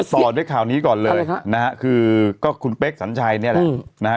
ต่อด้วยข่าวนี้ก่อนเลยนะฮะคือก็คุณเป๊กสัญชัยเนี่ยแหละนะฮะ